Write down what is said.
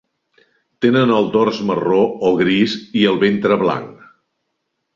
Tenen el dors marró o gris i el ventre blanc.